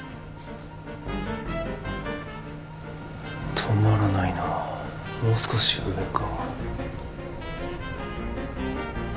止まらないなもう少し上か？